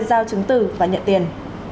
giao chứng từ và nhận tiền